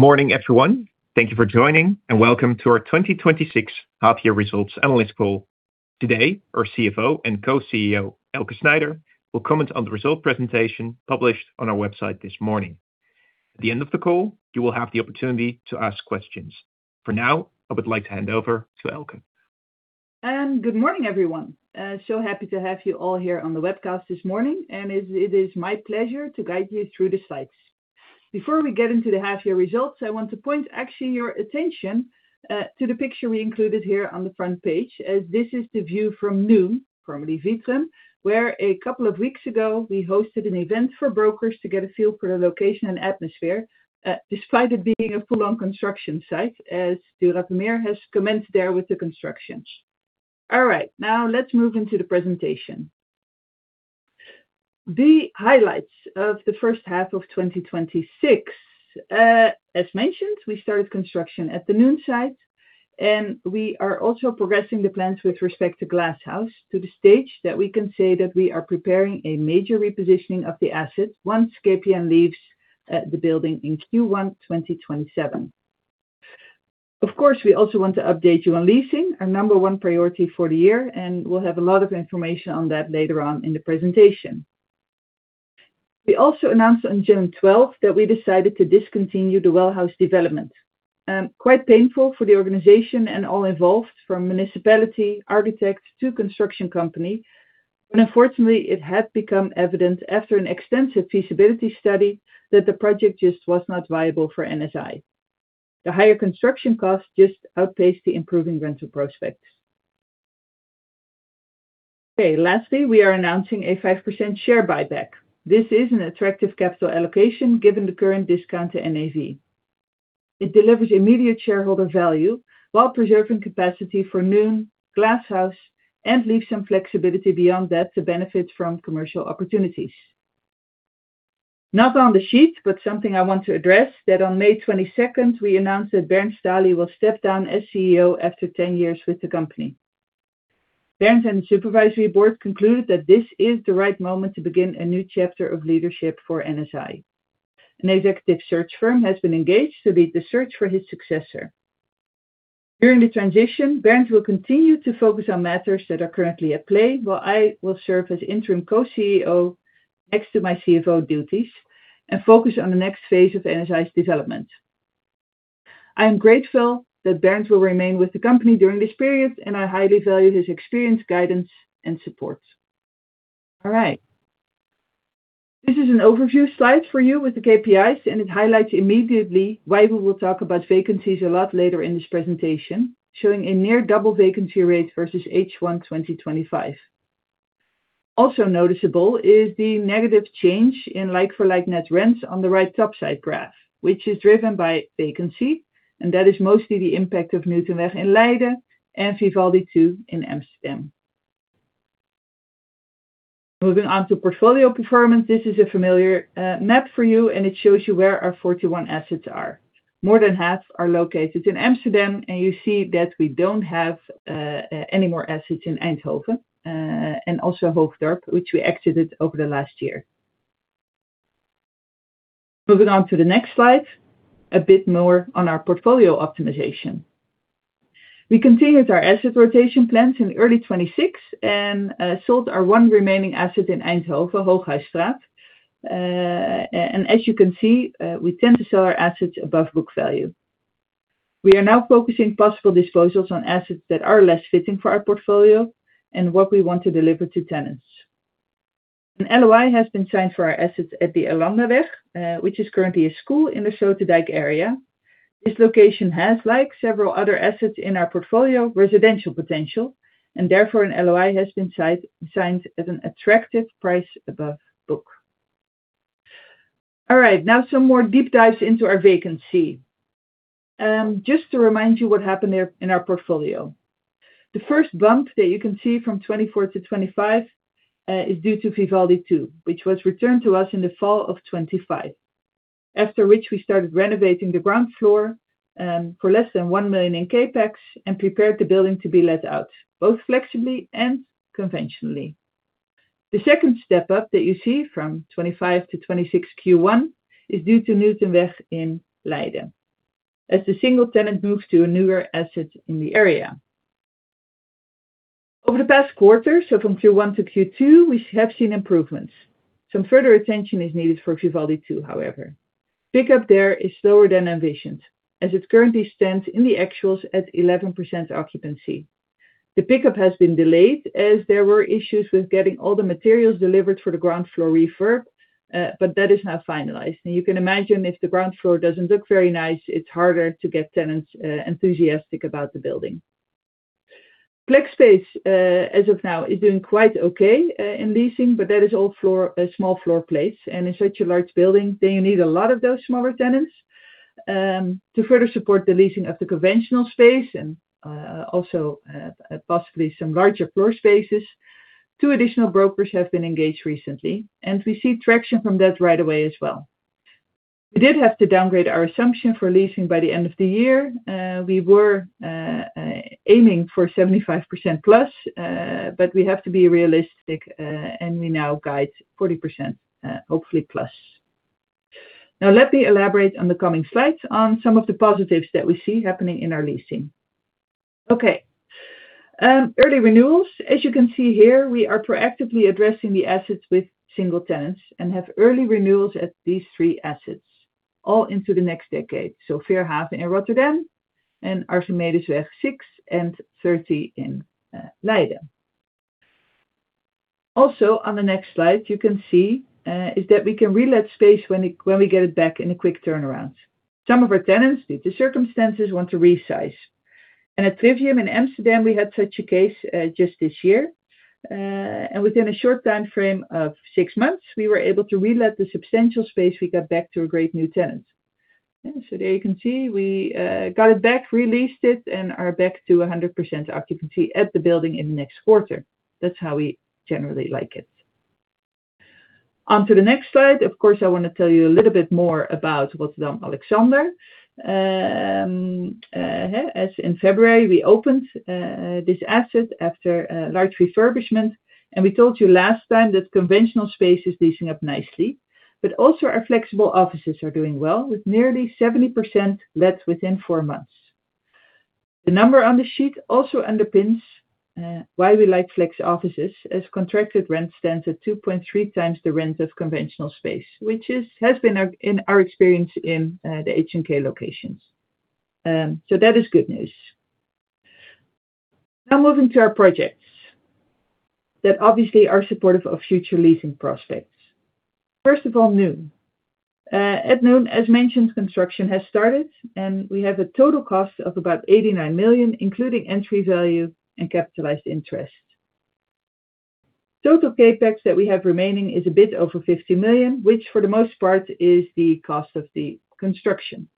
Morning, everyone. Thank you for joining, and welcome to our 2026 half-year results analyst call. Today, our CFO and co-CEO, Elke Snijder, will comment on the result presentation published on our website this morning. At the end of the call, you will have the opportunity to ask questions. For now, I would like to hand over to Elke. Good morning, everyone. Happy to have you all here on the webcast this morning, and it is my pleasure to guide you through the slides. Before we get into the half-year results, I want to point your attention to the picture we included here on the front page, as this is the view from Noon, formerly Vitrum, where a couple of weeks ago, we hosted an event for brokers to get a feel for the location and atmosphere, despite it being a full-on construction site as De Rapenburger has commenced there with the constructions. All right. Now let's move into the presentation. The highlights of the first half of 2026. As mentioned, we started construction at the Noon site, and we are also progressing the plans with respect to Glass House to the stage that we can say that we are preparing a major repositioning of the asset once KPN leaves the building in Q1 2027. Of course, we also want to update you on leasing, our number one priority for the year, and we'll have a lot of information on that later on in the presentation. We also announced on June 12th that we decided to discontinue the Well House development. Quite painful for the organization and all involved, from municipality, architects, to construction company, but unfortunately, it had become evident after an extensive feasibility study that the project just was not viable for NSI. The higher construction cost just outpaced the improving rental prospects. Okay. Lastly, we are announcing a 5% share buyback. This is an attractive capital allocation given the current discount to NAV. It delivers immediate shareholder value while preserving capacity for Noon, Glass House, and leaves some flexibility beyond that to benefit from commercial opportunities. Not on the sheet, but something I want to address, that on May 22nd, we announced that Bernd Stahli will step down as CEO after 10 years with the company. Bernd and the supervisory board concluded that this is the right moment to begin a new chapter of leadership for NSI. An executive search firm has been engaged to lead the search for his successor. During the transition, Bernd will continue to focus on matters that are currently at play, while I will serve as interim co-CEO next to my CFO duties and focus on the next phase of NSI's development. I am grateful that Bernd will remain with the company during this period, and I highly value his experience, guidance, and support. All right. This is an overview slide for you with the KPIs, and it highlights immediately why we will talk about vacancies a lot later in this presentation, showing a near double vacancy rate versus H1 2025. Noticeable is the negative change in like-for-like net rents on the right top side graph, which is driven by vacancy, and that is mostly the impact of Newtonweg in Leiden and Vivaldi II in Amsterdam. Moving on to portfolio performance. This is a familiar map for you, and it shows you where our 41 assets are. More than half are located in Amsterdam, and you see that we don't have any more assets in Eindhoven, and also Hoofddorp, which we exited over the last year. Moving on to the next slide, a bit more on our portfolio optimization. We continued our asset rotation plans in early 2026 and sold our one remaining asset in Eindhoven, Hooghestraat. As you can see, we tend to sell our assets above book value. We are now focusing possible disposals on assets that are less fitting for our portfolio and what we want to deliver to tenants. An LOI has been signed for our assets at the Arlandaweg, which is currently a school in the Sloterdijk area. This location has, like several other assets in our portfolio, residential potential, and therefore, an LOI has been signed at an attractive price above book. All right. Now some more deep dives into our vacancy. Just to remind you what happened there in our portfolio. The first bump that you can see from 2024 to 2025, is due to Vivaldi II, which was returned to us in the fall of 2025, after which we started renovating the ground floor, for less than 1 million in CapEx and prepared the building to be let out, both flexibly and conventionally. The second step up that you see from 2025 to 2026 Q1 is due to Newtonweg in Leiden, as the single tenant moves to a newer asset in the area. Over the past quarter, so from Q1 to Q2, we have seen improvements. Some further attention is needed for Vivaldi II, however. Pickup there is slower than envisioned, as it currently stands in the actuals at 11% occupancy. The pickup has been delayed as there were issues with getting all the materials delivered for the ground floor refurb, but that is now finalized. You can imagine if the ground floor doesn't look very nice, it's harder to get tenants enthusiastic about the building. Flex space, as of now, is doing quite okay in leasing, but that is all small floor plates. In such a large building, then you need a lot of those smaller tenants. To further support the leasing of the conventional space also possibly some larger floor spaces, two additional brokers have been engaged recently, and we see traction from that right away as well. We did have to downgrade our assumption for leasing by the end of the year. We were aiming for 75%+, but we have to be realistic, and we now guide 40%, hopefully plus. Now let me elaborate on the coming slides on some of the positives that we see happening in our leasing. Okay. Early renewals. We are proactively addressing the assets with single tenants and have early renewals at these three assets, all into the next decade. Veerhaven in Rotterdam and Archimedesweg 6 and 30 in Leiden. On the next slide, you can see is that we can relet space when we get it back in a quick turnaround. Some of our tenants, due to circumstances, want to resize. At Trivium in Amsterdam, we had such a case just this year. Within a short time frame of six months, we were able to relet the substantial space we got back to a great new tenant. There you can see we got it back, re-leased it, and are back to 100% occupancy at the building in the next quarter. That's how we generally like it. On to the next slide, of course, I want to tell you a little bit more about Rotterdam Alexander. In February, we opened this asset after a large refurbishment, we told you last time that conventional space is leasing up nicely, but also our flexible offices are doing well with nearly 70% let within four months. The number on the sheet also underpins why we like flex offices, as contracted rent stands at 2.3x the rent of conventional space, which has been our experience in the HNK locations. That is good news. Moving to our projects that obviously are supportive of future leasing prospects. First of all, Noon. At Noon, as mentioned, construction has started, we have a total cost of about 89 million, including entry value and capitalized interest. Total CapEx that we have remaining is a bit over 50 million, which for the most part is the cost of the construction.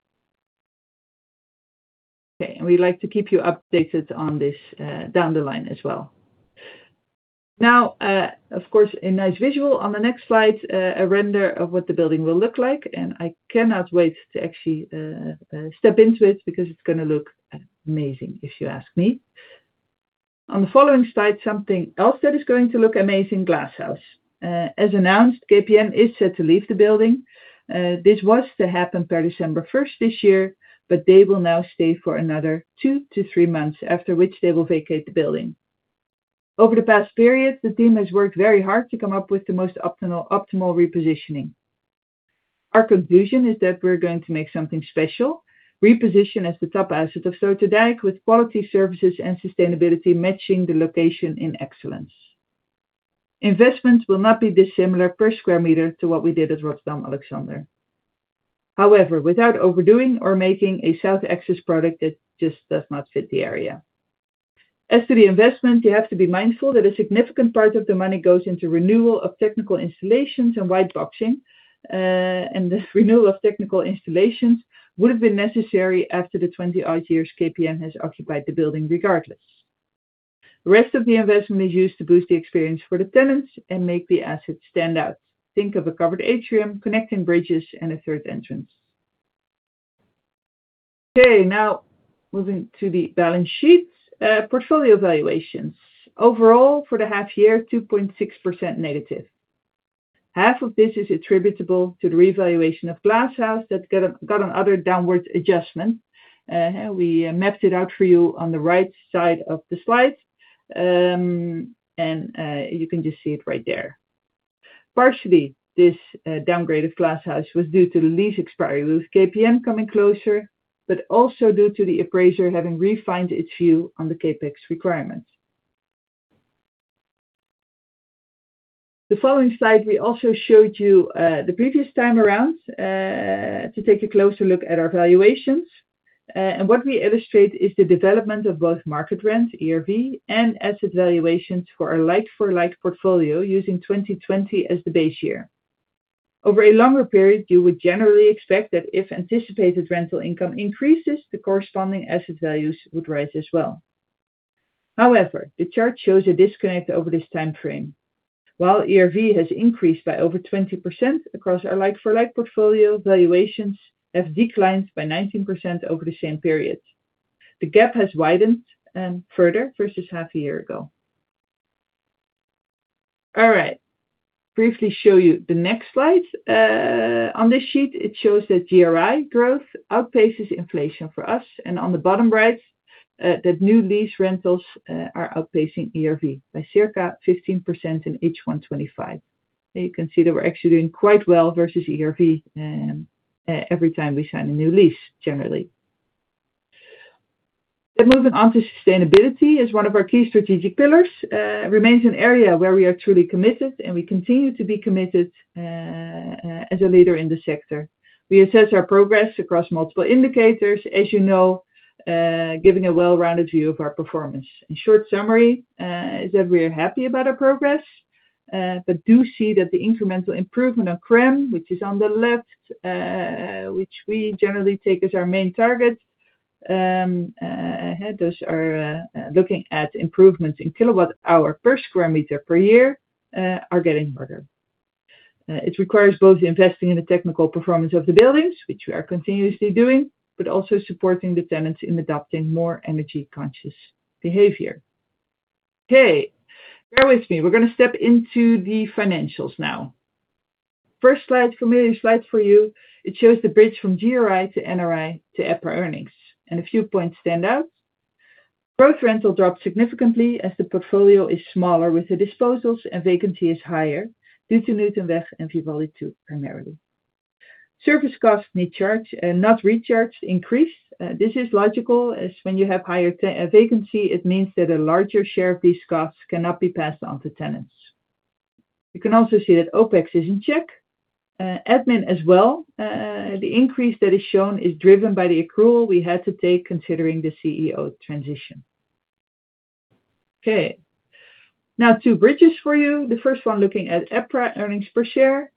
We'd like to keep you updated on this down the line as well. Of course, a nice visual on the next slide, a render of what the building will look like, I cannot wait to actually step into it because it's going to look amazing if you ask me. On the following slide, something else that is going to look amazing, Glass House. As announced, KPN is set to leave the building. This was to happen per December 1st this year, they will now stay for another two to three months, after which they will vacate the building. Over the past period, the team has worked very hard to come up with the most optimal repositioning. Our conclusion is that we're going to make something special, reposition as the top asset of Sloterdijk with quality services and sustainability matching the location in excellence. Investments will not be dissimilar per square meter to what we did at Rotterdam Alexander. Without overdoing or making a South Axis product, it just does not fit the area. To the investment, you have to be mindful that a significant part of the money goes into renewal of technical installations and white boxing. This renewal of technical installations would have been necessary after the 20-odd years KPN has occupied the building regardless. The rest of the investment is used to boost the experience for the tenants and make the asset stand out. Think of a covered atrium, connecting bridges, and a third entrance. Moving to the balance sheet. Portfolio valuations. Overall, for the half year, 2.6%-. Half of this is attributable to the revaluation of Glass House that got another downwards adjustment. We mapped it out for you on the right side of the slide, you can just see it right there. Partially, this downgrade of Glass House was due to the lease expiry, with KPN coming closer, but also due to the appraiser having refined its view on the CapEx requirements. The following slide, we also showed you the previous time around to take a closer look at our valuations. What we illustrate is the development of both market rent, ERV, and asset valuations for our like-for-like portfolio using 2020 as the base year. Over a longer period, you would generally expect that if anticipated rental income increases, the corresponding asset values would rise as well. However, the chart shows a disconnect over this time frame. While ERV has increased by over 20% across our like-for-like portfolio, valuations have declined by 19% over the same period. The gap has widened further versus half a year ago. All right. Briefly show you the next slide. On this sheet, it shows that GRI growth outpaces inflation for us. On the bottom right, that new lease rentals are outpacing ERV by circa 15% in H1 2025. You can see that we're actually doing quite well versus ERV every time we sign a new lease, generally. Moving on to sustainability as one of our key strategic pillars. Remains an area where we are truly committed, and we continue to be committed as a leader in the sector. We assess our progress across multiple indicators, as you know, giving a well-rounded view of our performance. In short summary, is that we are happy about our progress. Do see that the incremental improvement on CRREM, which is on the left, which we generally take as our main target. Those are looking at improvements in kilowatt hour per square meter per year are getting harder. It requires both investing in the technical performance of the buildings, which we are continuously doing, but also supporting the tenants in adopting more energy-conscious behavior. Okay. Bear with me. We're going to step into the financials now. First slide, familiar slide for you. It shows the bridge from GRI to NRI to EPRA earnings. A few points stand out. Gross rental dropped significantly as the portfolio is smaller with the disposals, and vacancy is higher due to Newtonweg and Vivaldi II, primarily. Service costs not recharged increased. This is logical as when you have higher vacancy, it means that a larger share of these costs cannot be passed on to tenants. You can also see that OpEx is in check. Admin as well. The increase that is shown is driven by the accrual we had to take considering the CEO transition. Okay. Now, two bridges for you. The first one looking at EPRA earnings per share.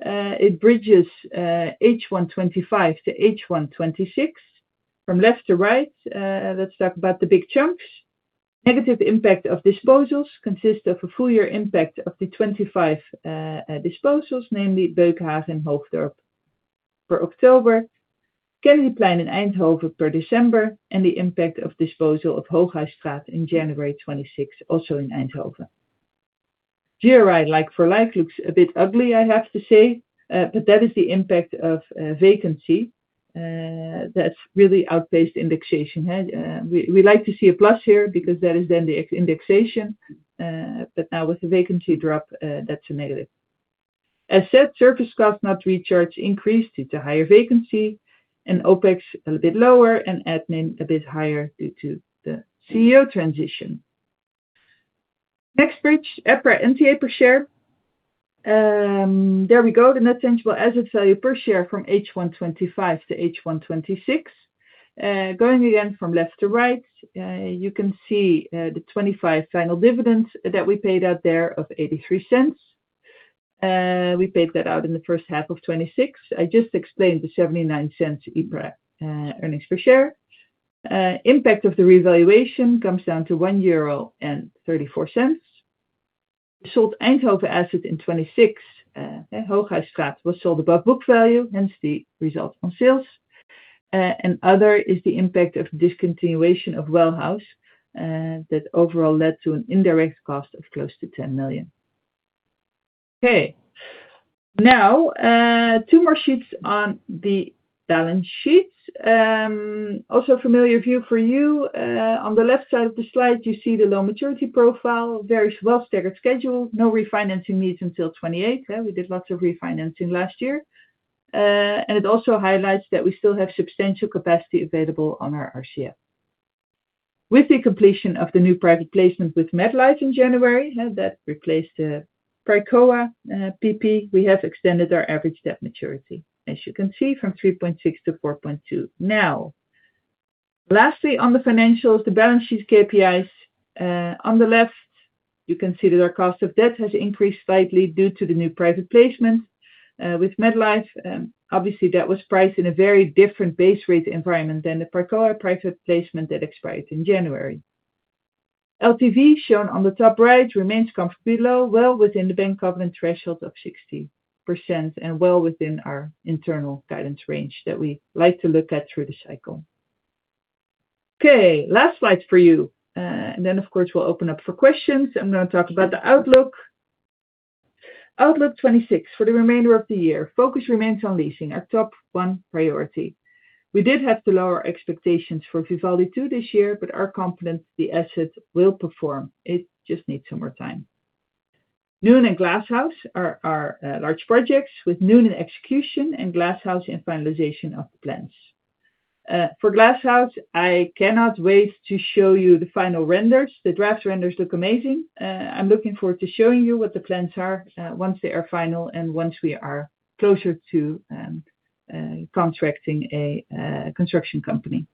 It bridges H1 2025 to H1 2026 from left to right. Let's talk about the big chunks. Negative impact of disposals consists of a full year impact of the 2025 disposals, namely Beukenhaven and Hoofddorp per October, Kennedyplein in Eindhoven per December, and the impact of disposal of Hooghestraat in January 2026, also in Eindhoven. GRI, like for like, looks a bit ugly, I have to say. That is the impact of vacancy. That's really outpaced indexation. We like to see a plus here because that is then the indexation. Now with the vacancy drop, that's a negative. As said, service cost not recharged increased due to higher vacancy and OpEx a bit lower and admin a bit higher due to the CEO transition. Next bridge, EPRA NTA per share. There we go. The net tangible asset value per share from H1 2025 to H1 2026. Going again from left to right, you can see, the 2025 final dividends that we paid out there of 0.83. We paid that out in the first half of 2026. I just explained the 0.79 EPRA earnings per share. Impact of the revaluation comes down to €1.34. We sold Eindhoven asset in 2026. Hooghestraat was sold above book value, hence the result on sales. Other is the impact of discontinuation of Well House. That overall led to an indirect cost of close to 10 million. Okay. Two more sheets on the balance sheet. Also familiar view for you. On the left side of the slide, you see the loan maturity profile. Varies well staggered schedule. No refinancing needs until 2028. We did lots of refinancing last year. It also highlights that we still have substantial capacity available on our RCF. With the completion of the new private placement with MetLife in January. It replaced the Pricoa PP. We have extended our average debt maturity, as you can see, from 3.6 to 4.2 now. Lastly, on the financials, the balance sheet KPIs. On the left, you can see that our cost of debt has increased slightly due to the new private placement with MetLife. Obviously, that was priced in a very different base rate environment than the Pricoa private placement that expired in January. LTV shown on the top right remains comfortably low, well within the bank covenant threshold of 60%, and well within our internal guidance range that we like to look at through the cycle. Okay, last slide for you. Then, of course, we'll open up for questions. I'm going to talk about the outlook. Outlook 2026 for the remainder of the year. Focus remains on leasing, our top 1 priority. We did have to lower our expectations for Vivaldi II this year, but are confident the asset will perform. It just needs some more time. Noon and Glass House are our large projects with Noon in execution and Glass House in finalization of the plans. For Glass House, I cannot wait to show you the final renders. The draft renders look amazing. I'm looking forward to showing you what the plans are once they are final and once we are closer to contracting a construction company.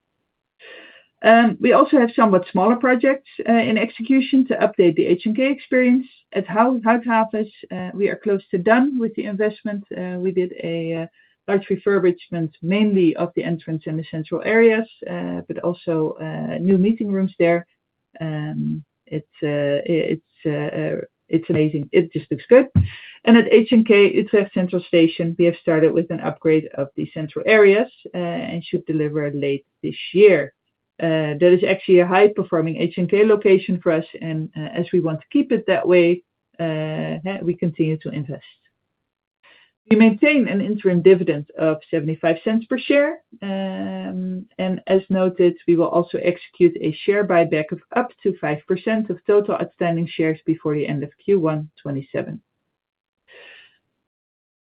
We also have somewhat smaller projects in execution to update the HNK experience. At Houthavens, we are close to done with the investment. We did a large refurbishment, mainly of the entrance and the central areas, but also new meeting rooms there. It's amazing. It just looks good. At HNK, it's a central station. We have started with an upgrade of the central areas, and should deliver late this year. That is actually a high performing HNK location for us. As we want to keep it that way, we continue to invest. We maintain an interim dividend of 0.75 per share. As noted, we will also execute a share buyback of up to 5% of total outstanding shares before the end of Q1 2027.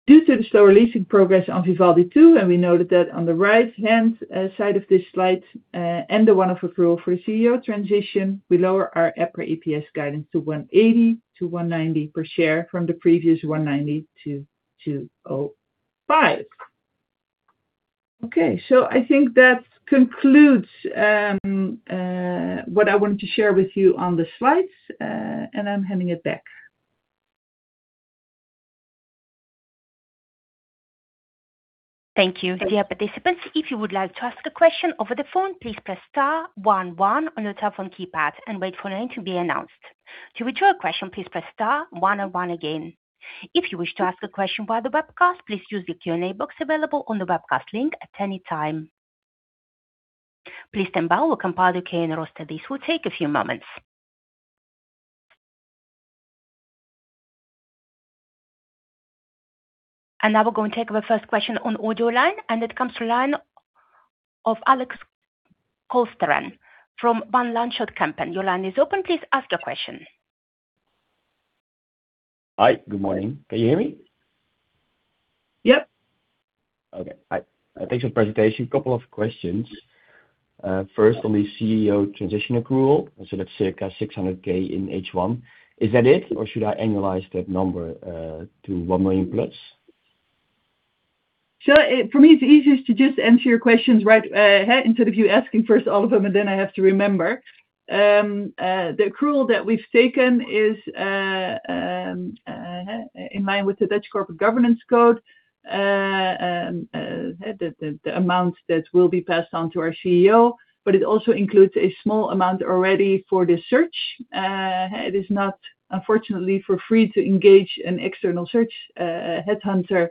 Due to the slow leasing progress on Vivaldi II, and we noted that on the right-hand side of this slide, and the one of approval for CEO transition, we lower our EPRA EPS guidance to 1.80 to 1.90 per share from the previous 1.90 to 2.05. I think that concludes what I wanted to share with you on the slides, and I am handing it back. Thank you. Dear participants, if you would like to ask a question over the phone, please press star one one on your telephone keypad and wait for your name to be announced. To withdraw a question, please press star one and one again. If you wish to ask a question via the webcast, please use the Q&A box available on the webcast link at any time. Please stand by while compiling queue and roster. This will take a few moments. Now we're going to take the first question on the audio line, and it comes from the line of Alex Kolsteren from Van Lanschot Kempen. Your line is open. Please ask your question. Hi. Good morning. Can you hear me? Yep. Okay. Hi. Thanks for the presentation. A couple of questions. First on the CEO transition accrual, that's circa 600K in H1. Is that it, or should I annualize that number to 1 million+? For me, it's easiest to just answer your questions right ahead instead of you asking first all of them and then I have to remember. The accrual that we've taken is in line with the Dutch Corporate Governance Code, the amount that will be passed on to our CEO, but it also includes a small amount already for the search. It is not, unfortunately, for free to engage an external search headhunter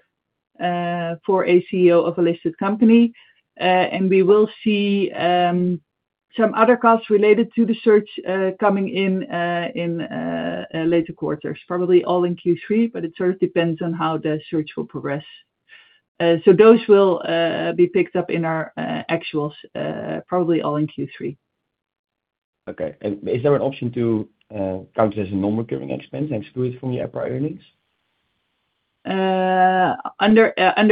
for a CEO of a listed company. We will see some other costs related to the search coming in later quarters, probably all in Q3, but it sort of depends on how the search will progress. Those will be picked up in our actuals, probably all in Q3. Okay. Is there an option to count as a non-recurring expense and exclude it from the EPRA earnings? Under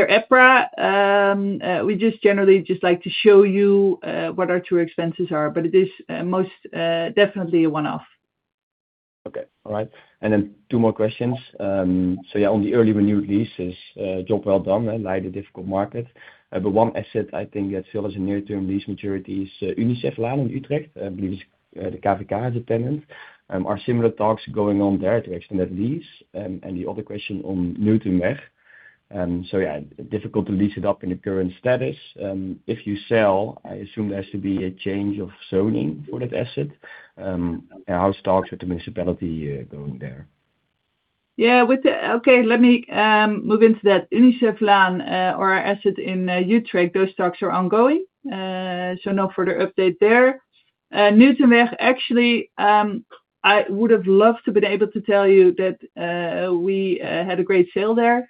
EPRA, we just generally like to show you what our true expenses are, but it is most definitely a one-off. Okay. All right. Two more questions. On the early renewed leases, job well done, despite the difficult market. One asset I think that still has a near-term lease maturity is Uniceflaan in Utrecht. I believe the KVK is a tenant. Are similar talks going on there to extend that lease? The other question on Newtonweg. Difficult to lease it up in the current status. If you sell, I assume there has to be a change of zoning for that asset. How's talks with the municipality going there? Let me move into that. Uniceflaan, our asset in Utrecht, those talks are ongoing. No further update there. Newtonweg, actually, I would've loved to been able to tell you that we had a great sale there.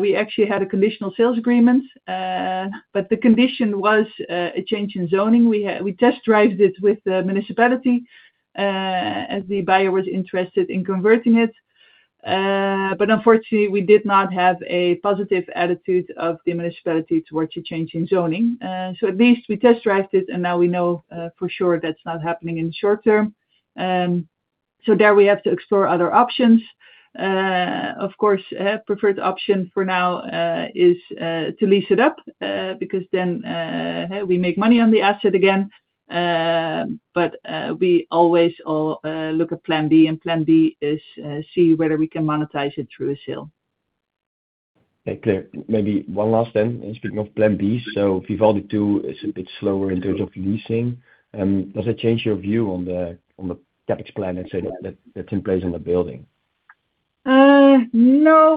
We actually had a conditional sales agreement. The condition was a change in zoning. We test-drived it with the municipality, as the buyer was interested in converting it. Unfortunately, we did not have a positive attitude of the municipality towards a change in zoning. At least we test-drived it, and now we know for sure that's not happening in the short term. There we have to explore other options. Of course, preferred option for now is to lease it up, because then we make money on the asset again. We always look at plan B, and plan B is see whether we can monetize it through a sale. Maybe one last. Speaking of plan B, Vivaldi II is a bit slower in terms of leasing. Does it change your view on the CapEx plan that's in place on the building?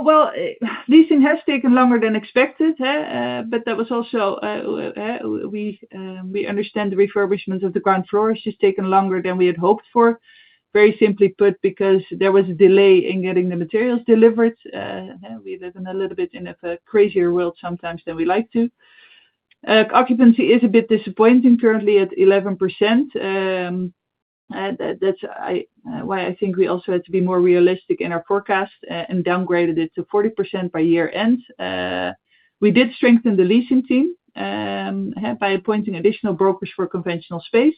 Well, leasing has taken longer than expected. We understand the refurbishment of the ground floor has just taken longer than we had hoped for. Very simply put, because there was a delay in getting the materials delivered. We live in a little bit crazier world sometimes than we like to. Occupancy is a bit disappointing currently at 11%. That's why I think we also had to be more realistic in our forecast and downgraded it to 40% by year-end. We did strengthen the leasing team by appointing additional brokers for conventional space.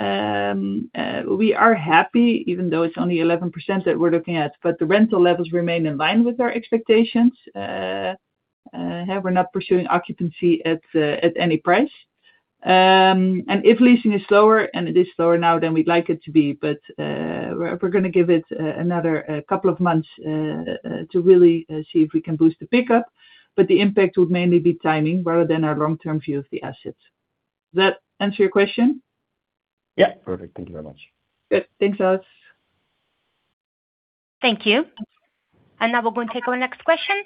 We are happy, even though it's only 11% that we're looking at, the rental levels remain in line with our expectations. We're not pursuing occupancy at any price. If leasing is slower, and it is slower now than we'd like it to be, we're going to give it another couple of months to really see if we can boost the pickup. The impact would mainly be timing rather than our long-term view of the assets. Does that answer your question? Yeah. Perfect. Thank you very much. Good. Thanks, Alex. Thank you. Now we're going to take our next question.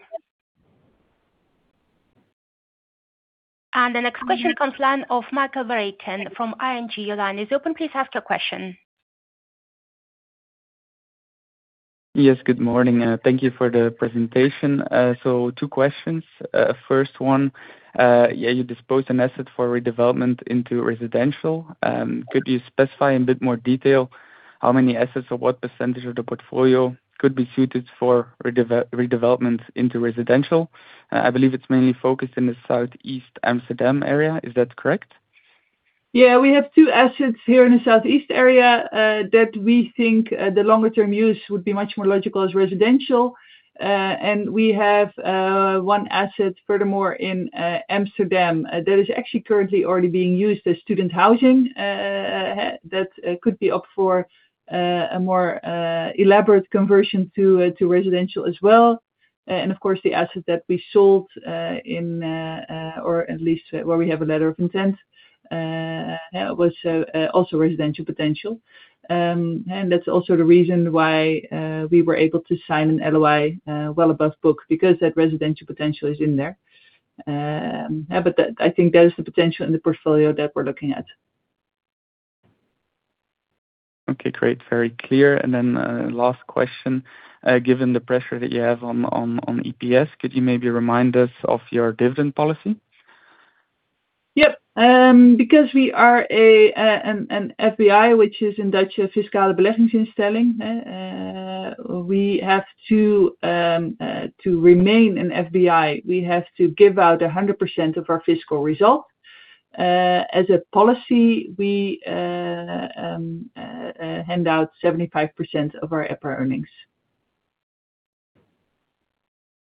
The next question comes line of Michiel Vereycken from ING. Your line is open. Please ask your question. Yes, good morning. Thank you for the presentation. Two questions. First one, you disposed an asset for redevelopment into residential. Could you specify in a bit more detail how many assets or what percentage of the portfolio could be suited for redevelopment into residential? I believe it's mainly focused in the Southeast Amsterdam area. Is that correct? Yeah. We have two assets here in the Southeast area that we think the longer term use would be much more logical as residential. We have one asset, furthermore, in Amsterdam, that is actually currently already being used as student housing, that could be up for a more elaborate conversion to residential as well. Of course, the asset that we sold, or at least where we have a letter of intent was also residential potential. That's also the reason why we were able to sign an LOI well above book, because that residential potential is in there. I think that is the potential in the portfolio that we're looking at. Okay, great. Very clear. Last question, given the pressure that you have on EPS, could you maybe remind us of your dividend policy? Yep. Because we are an FBI, which is in Dutch, a fiscale beleggingsinstelling. To remain an FBI, we have to give out 100% of our fiscal result. As a policy, we hand out 75% of our EPRA earnings.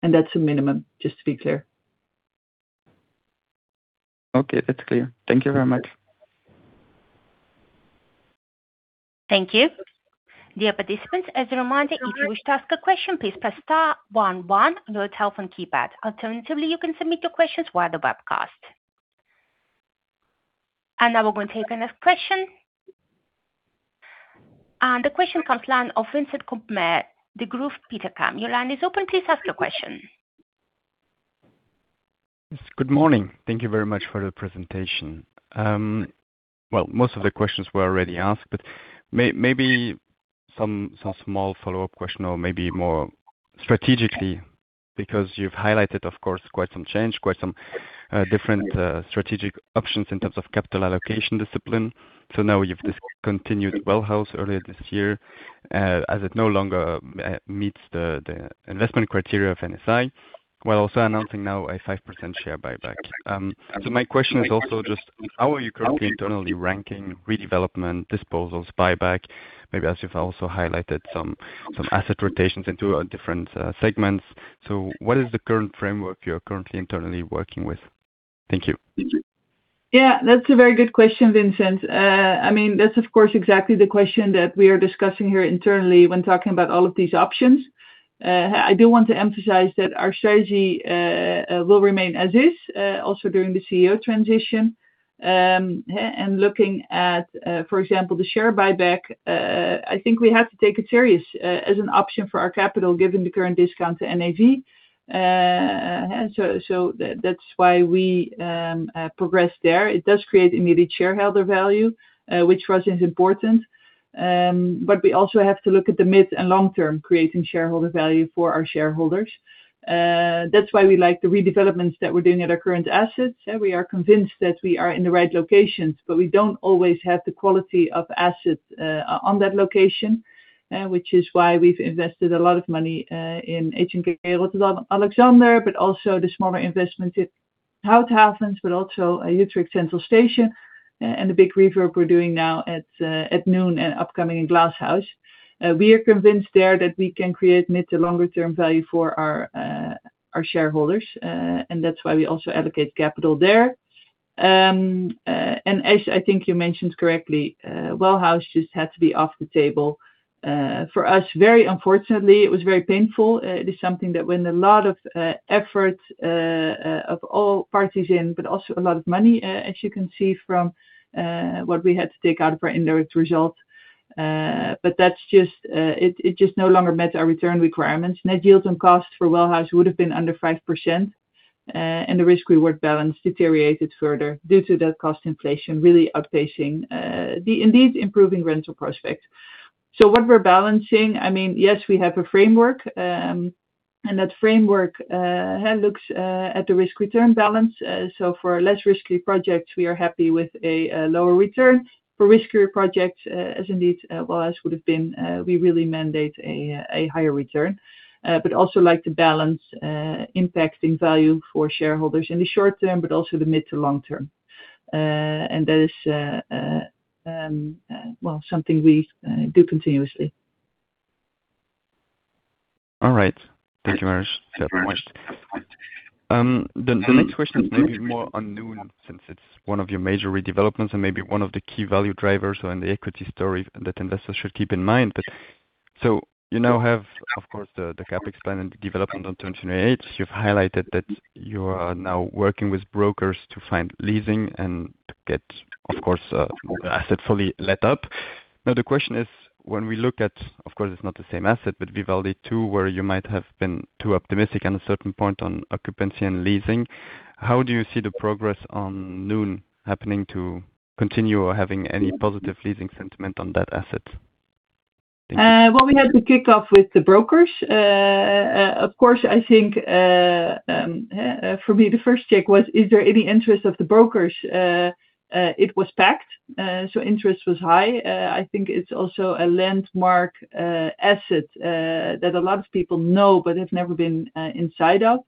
That's a minimum, just to be clear. Okay. That's clear. Thank you very much. Thank you. Dear participants, as a reminder, if you wish to ask a question, please press star one one on your telephone keypad. Alternatively, you can submit your questions via the webcast. Now we're going to take the next question. The question comes line of Vincent Koppmair, Degroof Petercam. Your line is open. Please ask your question. Good morning. Thank you very much for the presentation. Well, most of the questions were already asked, but maybe some small follow-up question or maybe more strategically, because you've highlighted, of course, quite some change, quite some different strategic options in terms of capital allocation discipline. Now you've discontinued Well House earlier this year, as it no longer meets the investment criteria of NSI, while also announcing now a 5% share buyback. My question is also just how are you currently internally ranking redevelopment, disposals, buyback, maybe as you've also highlighted some asset rotations into different segments. What is the current framework you're currently internally working with? Thank you. Yeah, that's a very good question, Vincent. That's of course exactly the question that we are discussing here internally when talking about all of these options. I do want to emphasize that our strategy will remain as is, also during the CEO transition. Looking at, for example, the share buyback, I think we have to take it serious, as an option for our capital, given the current discount to NAV. That's why we progress there. It does create immediate shareholder value, which for us is important. We also have to look at the mid and long term, creating shareholder value for our shareholders. That's why we like the redevelopments that we're doing at our current assets. We are convinced that we are in the right locations, but we don't always have the quality of assets on that location, which is why we've invested a lot of money in HNK Rotterdam Alexander, but also the smaller investment at Houthavens, but also Utrecht Central Station and the big refurb we're doing now at Noon and upcoming in Glass House. We are convinced there that we can create mid to longer term value for our shareholders, and that's why we also allocate capital there. As I think you mentioned correctly, Well House just had to be off the table. For us, very unfortunately, it was very painful. It is something that went a lot of effort of all parties in, but also a lot of money, as you can see from what we had to take out of our indirect results. It just no longer met our return requirements. Net yields and costs for Well House would have been under 5%, and the risk-reward balance deteriorated further due to that cost inflation really outpacing, indeed improving rental prospects. What we're balancing, yes, we have a framework, and that framework looks at the risk-return balance. For less risky projects, we are happy with a lower return. For riskier projects, as indeed Well House would have been, we really mandate a higher return, but also like to balance impacting value for shareholders in the short term, but also the mid to long term. That is something we do continuously. All right. Thank you very much for that point. The next question is maybe more on Noon, since it's one of your major redevelopments and maybe one of the key value drivers in the equity story that investors should keep in mind. You now have, of course, the CapEx plan and the development on 2028. You've highlighted that you are now working with brokers to find leasing and to get, of course, the asset fully let up. The question is, when we look at, of course, it's not the same asset, but Vivaldi II, where you might have been too optimistic at a certain point on occupancy and leasing, how do you see the progress on Noon happening to continue or having any positive leasing sentiment on that asset? Well, we had the kickoff with the brokers. Of course, I think, for me, the first check was, is there any interest of the brokers? It was packed, so interest was high. I think it's also a landmark asset that a lot of people know but have never been inside of.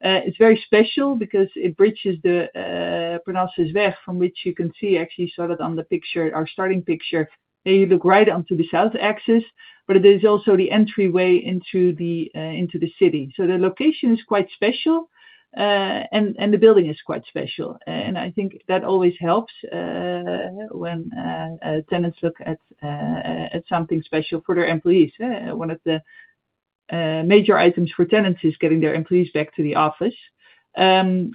It's very special because it bridges the Prinses Irenestraat, from which you can see actually, you saw that on the picture, our starting picture. You look right onto the south axis, but it is also the entryway into the city. The location is quite special, and the building is quite special. I think that always helps when tenants look at something special for their employees. One of the major items for tenants is getting their employees back to the office.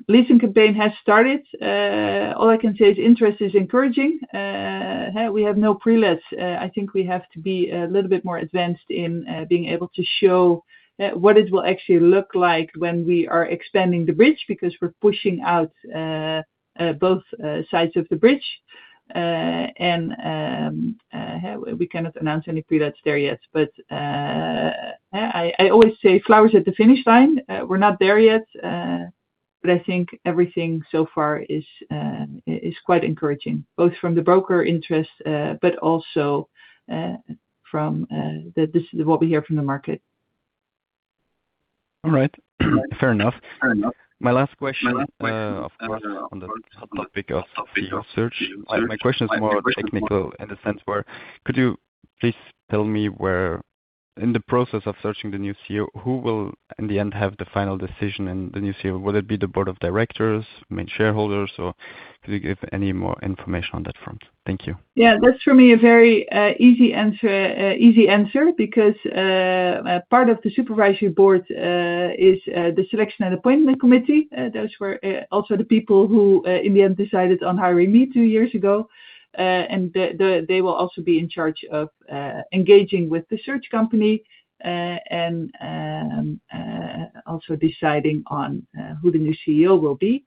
Leasing campaign has started. All I can say is interest is encouraging. We have no pre-lets. I think we have to be a little bit more advanced in being able to show what it will actually look like when we are expanding the bridge, because we're pushing out both sides of the bridge. We cannot announce any pre-lets there yet. I always say flowers at the finish line. We're not there yet. I think everything so far is quite encouraging, both from the broker interest, but also from what we hear from the market. All right. Fair enough. My last question, of course, on the hot topic of CEO search. My question is more technical in the sense where, could you please tell me where in the process of searching the new CEO, who will in the end have the final decision in the new CEO? Will it be the board of directors, main shareholders, or could you give any more information on that front? Thank you. Yeah, that's for me a very easy answer, because part of the supervisory board is the selection and appointment committee. Those were also the people who, in the end, decided on hiring me two years ago. They will also be in charge of engaging with the search company, and also deciding on who the new CEO will be.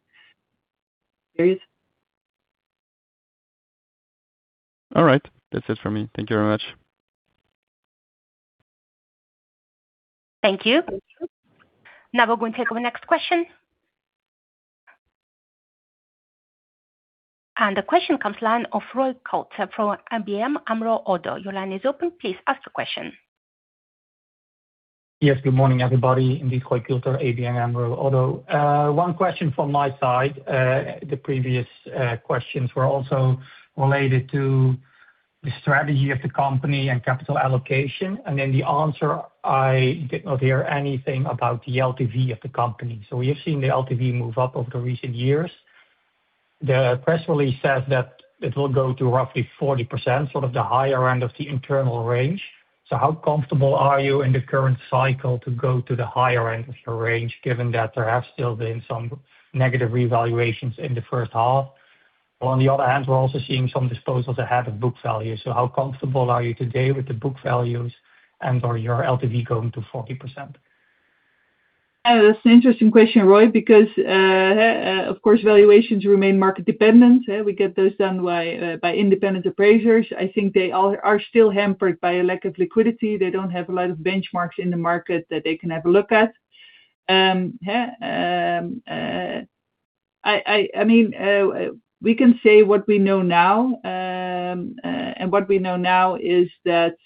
All right. That's it from me. Thank you very much. Thank you. The question comes line of Roy Külter from ABN AMRO-ODDO BHF. Your line is open. Please ask your question. Yes, good morning, everybody. Indeed, Roy Külter, ABN AMRO-ODDO BHF. One question from my side. The previous questions were also related to the strategy of the company and capital allocation. In the answer, I did not hear anything about the LTV of the company. We have seen the LTV move up over the recent years. The press release says that it will go to roughly 40%, sort of the higher end of the internal range. How comfortable are you in the current cycle to go to the higher end of your range, given that there have still been some negative revaluations in the first half? On the other hand, we are also seeing some disposals that have a book value. How comfortable are you today with the book values and/or your LTV going to 40%? That's an interesting question, Roy, because, of course, valuations remain market dependent. We get those done by independent appraisers. I think they are still hampered by a lack of liquidity. They do not have a lot of benchmarks in the market that they can have a look at. We can say what we know now. What we know now is that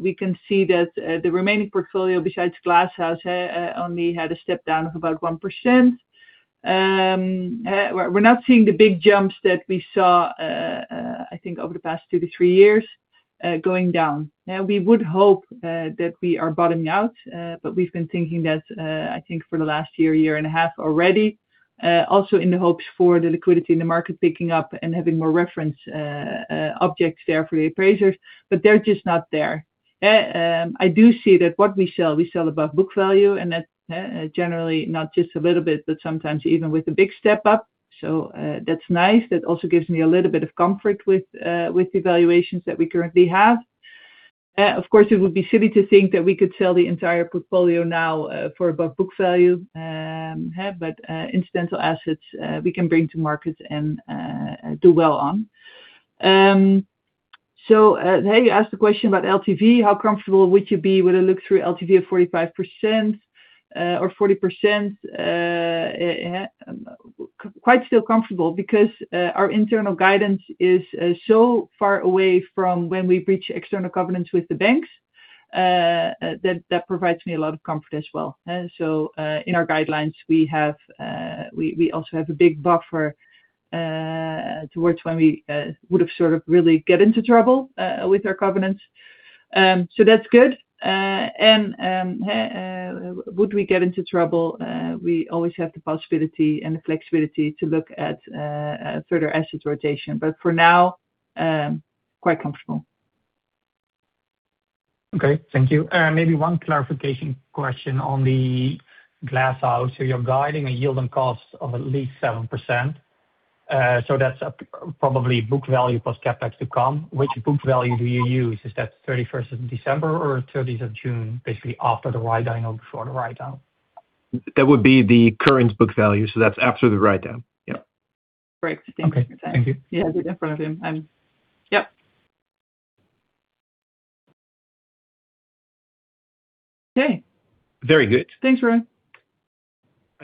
we can see that the remaining portfolio, besides Glass House, only had a step down of about 1%. We are not seeing the big jumps that we saw, I think, over the past two to three years, going down. We would hope that we are bottoming out, but we have been thinking that, I think, for the last year and a half already. Also in the hopes for the liquidity in the market picking up and having more reference objects there for the appraisers, but they are just not there. I do see that what we sell, we sell above book value, and that's generally not just a little bit, but sometimes even with a big step up. That's nice. That also gives me a little bit of comfort with the valuations that we currently have. Of course, it would be silly to think that we could sell the entire portfolio now for above book value. Incidental assets we can bring to market and do well on. You asked the question about LTV, how comfortable would you be with a look through LTV of 45% or 40%? Quite still comfortable because our internal guidance is so far away from when we breach external covenants with the banks. That provides me a lot of comfort as well. In our guidelines, we also have a big buffer towards when we would sort of really get into trouble with our covenants. That's good. Would we get into trouble, we always have the possibility and the flexibility to look at further assets rotation. For now, quite comfortable. Okay. Thank you. Maybe one clarification question on the Glass House. You're guiding a yield on costs of at least 7%. That's probably book value plus CapEx to come. Which book value do you use? Is that 31st of December or 30th of June, basically after the write-down or before the write-down? That would be the current book value. That's after the write-down. Yep. Great. Thank you for that. Okay. Thank you. Yeah, I did in front of him. Yep. Okay. Very good. Thanks, Roy. I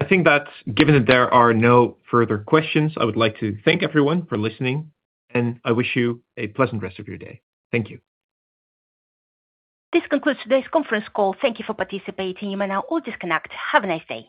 think that given that there are no further questions, I would like to thank everyone for listening, and I wish you a pleasant rest of your day. Thank you. This concludes today's conference call. Thank you for participating. You may now all disconnect. Have a nice day.